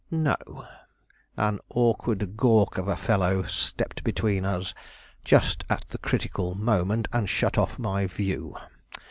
"No; an awkward gawk of a fellow stepped between us just at the critical moment, and shut off my view.